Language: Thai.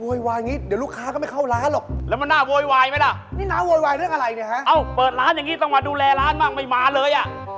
โอ้โฮพูดแล้วขึ้นเลยขึ้นเลย